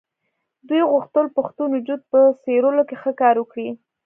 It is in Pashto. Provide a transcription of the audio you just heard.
دوی غوښتل پښتون وجود په څېرلو کې ښه کار وکړي.